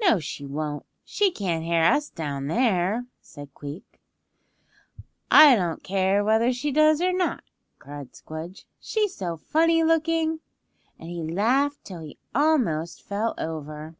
"No she won't; she can't hear us down there," said Queek. "I don't care whether she does or not," cried Squdge, "she's so funny looking." And he laughed till he almost fell over.